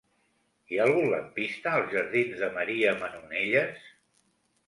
Hi ha algun lampista als jardins de Maria Manonelles?